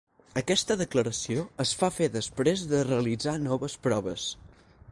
Aquesta declaració es fa fer després de realitzar noves proves.